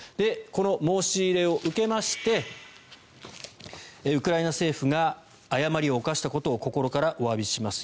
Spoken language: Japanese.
この申し入れを受けましてウクライナ政府が誤りを犯したことを心からおわびします